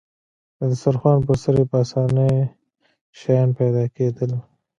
د دسترخوان پر سر يې په اسانۍ شیان پیدا کېدل.